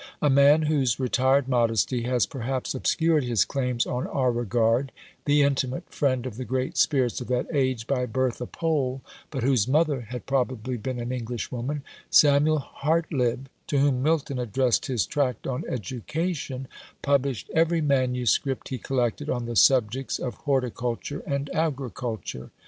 A man, whose retired modesty has perhaps obscured his claims on our regard, the intimate friend of the great spirits of that age, by birth a Pole, but whose mother had probably been an Englishwoman, Samuel Hartlib, to whom Milton addressed his tract on education, published every manuscript he collected on the subjects of horticulture and agriculture.